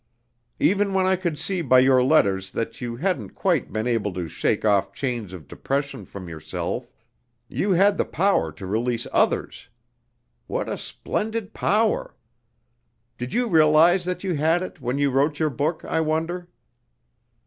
"Even when I could see by your letters that you hadn't quite been able to shake off chains of depression from yourself, you had the power to release others. What a splendid power! Did you realize that you had it, when you wrote your book, I wonder?